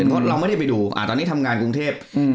เพราะเราไม่ได้ไปดูตอนนี้ทำงานกรุงเทพ